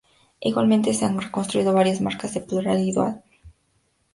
Igualmente se han reconstruido varias marcas de plural y dual.